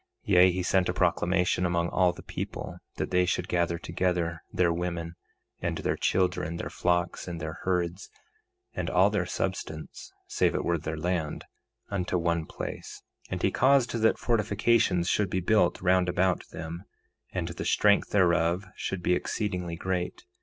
3:13 Yea, he sent a proclamation among all the people, that they should gather together their women, and their children, their flocks and their herds, and all their substance, save it were their land, unto one place. 3:14 And he caused that fortifications should be built round about them, and the strength thereof should be exceedingly great.